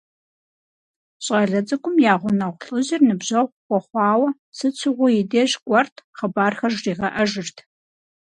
ЩӀалэ цӀыкӀум я гъунэгъу лӀыжьыр ныбжьэгъу хуэхъуауэ, сыт щыгъуи и деж кӀуэрт, хъыбархэр жригъэӀэжырт.